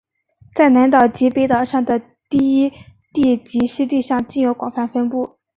在南岛及北岛上的低地及湿地上均有广泛分布。